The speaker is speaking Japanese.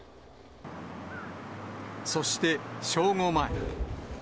そして正午前。